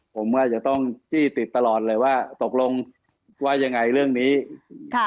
ผมก็จะต้องจี้ติดตลอดเลยว่าตกลงว่ายังไงเรื่องนี้ค่ะ